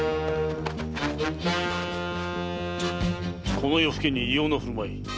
この夜更けに異様な振る舞い。